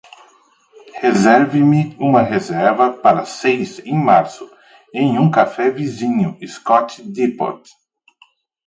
Reserve-me uma reserva para seis em março em um café vizinho Scott Depot